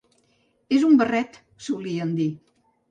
«És un barret», solien dir.